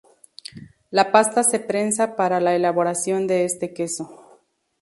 La pasta se prensa para la elaboración de este queso.